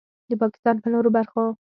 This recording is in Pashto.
د پاکستان په نورو برخو